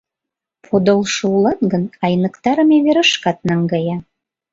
Подылшо улат гын, айныктарыме верышкат наҥгая.